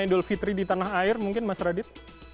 idul fitri di tanah air mungkin mas radit